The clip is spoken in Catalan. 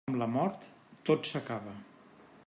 Amb la mort tot s'acaba.